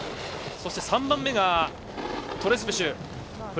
そして３番目がフランス、トレスプシュ。